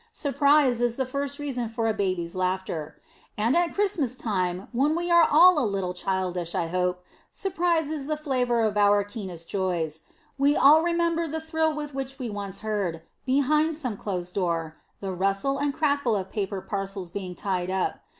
Surprise is the first reason for a baby's laughter. And at Christmas time, when we are all a little childish I hope, surprise is the flavor of our keenest joys. We all remember the thrill with which we once heard, behind some closed door, the rustle and crackle of paper parcels being tied up.